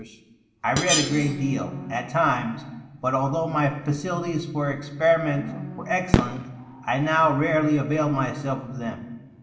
I read a great deal, at times, but although my facilities for experiment were excellent I now rarely availed myself of them.